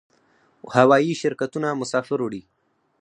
هوایی شرکتونه مسافر وړي